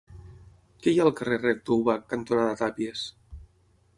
Què hi ha al carrer Rector Ubach cantonada Tàpies?